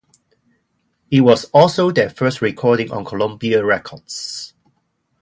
It was also their first recording on Columbia Records.